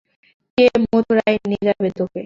কে মথুরায় নিয়ে যাবে তোকে?